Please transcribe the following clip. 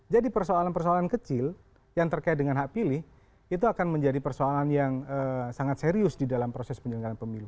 jadi persoalan persoalan kecil yang terkait dengan hak pilih itu akan menjadi persoalan yang sangat serius di dalam proses penyelenggaraan pemilu